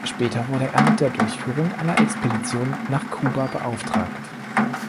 Später wurde er mit der Durchführung einer Expedition nach Kuba beauftragt.